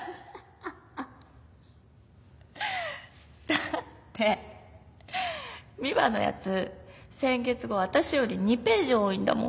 だって美和のやつ先月号わたしより２ページ多いんだもん。